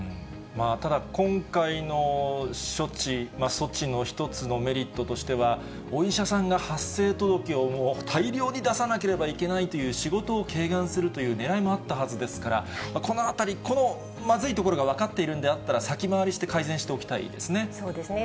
ただ、今回の処置、措置の一つのメリットとしては、お医者さんが発生届をもう大量に出さなければいけないという仕事を軽減するというねらいもあったはずですから、このあたり、このまずいところが分かっているんであったら、先回りして、そうですね。